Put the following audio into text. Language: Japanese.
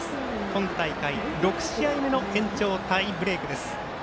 今大会、６試合目の延長タイブレークです。